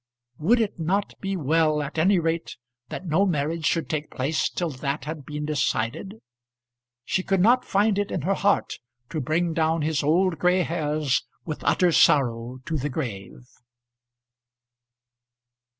Would it not be well at any rate that no marriage should take place till that had been decided? She could not find it in her heart to bring down his old gray hairs with utter sorrow to the grave.